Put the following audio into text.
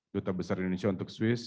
duta besar indonesia untuk swiss